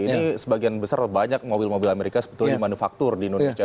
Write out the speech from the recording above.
ini sebagian besar banyak mobil mobil amerika sebetulnya manufaktur di indonesia